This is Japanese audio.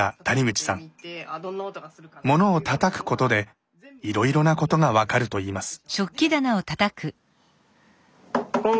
物をたたくことでいろいろなことが分かるといいます。